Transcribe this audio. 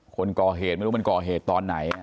คนก่อเหตุไม่รู้มันก่อเหตุตอนไหน